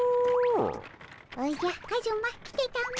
おじゃカズマ来てたも。